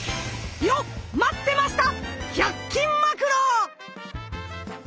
よっ待ってました！